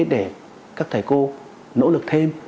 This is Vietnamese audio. để các thầy cô nỗ lực thêm